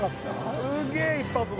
すげえ一発だ。